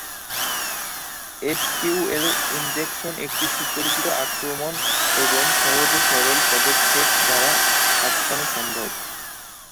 SQL injection একটি সুপরিচিত আক্রমণ এবং সহজে সরল পদক্ষেপ দ্বারা আটকানো সম্ভব।